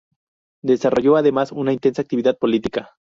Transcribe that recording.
Desarrolló además una intensa actividad política.